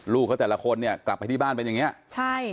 ลูกเขาแต่ละคนเนี่ยกลับไปที่บ้านเป็นอย่างเงี้ยใช่